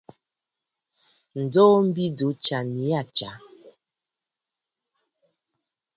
Ǹjoo mbi jù ɨ tsyà nii aa tsyà.